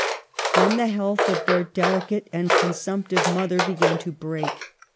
Then the health of their deli cate and consumptive mother began to break.